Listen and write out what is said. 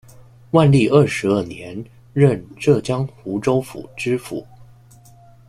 万历二十二年任浙江湖州府知府。